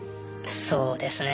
そうですね。